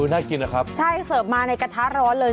น่ากินนะครับใช่เสิร์ฟมาในกระทะร้อนเลย